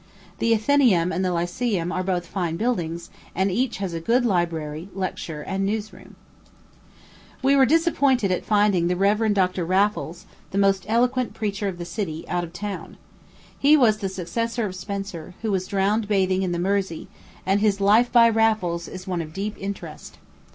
The Athenæum and the Lyceum are both fine buildings, and each has a good library, lecture, and news rooms. We were disappointed at finding the Rev. Dr. Raffles, the most eloquent preacher of the city, out of town. He was the successor of Spencer, who was drowned bathing in the Mersey, and his Life by Raffles is one of deep interest.